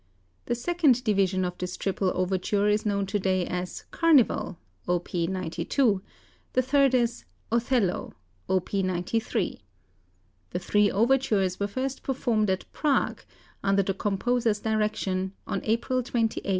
The second division of this triple overture is known to day as "Carnival" (Op. 92), the third as "Othello" (Op. 93). The three overtures were first performed at Prague, under the composer's direction, on April 28, 1892.